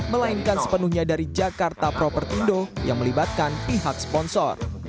melainkan sepenuhnya dari jakarta propertindo yang melibatkan pihak sponsor